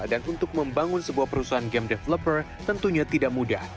untuk membangun sebuah perusahaan game developer tentunya tidak mudah